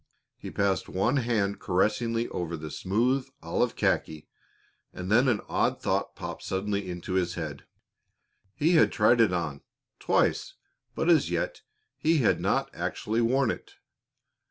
He passed one hand caressingly over the smooth olive khaki, and then an odd thought popped suddenly into his head. He had tried it on, twice, but as yet he had not actually worn it.